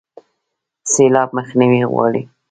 سیلاب مخنیوی غواړي